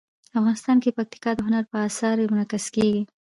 افغانستان کې پکتیا د هنر په اثار کې منعکس کېږي.